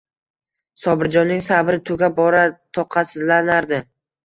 Sobirjonning sabri tugab borar, toqatsizlanardi.